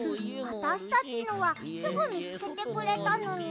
あたしたちのはすぐみつけてくれたのに。